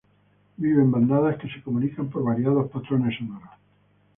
Vive en bandadas que se comunican por variados patrones sonoros.